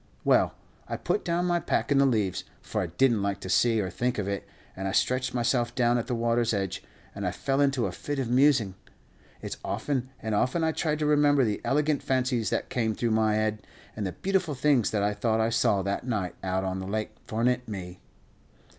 Well, I put down my pack in the leaves, for I did n't like to see or think of it, and I stretched myself down at the water's edge, and I fell into a fit of musing. It's often and often I tried to remember the elegant fancies that came through my head, and the beautiful things that I thought I saw that night out on the lake fornint me!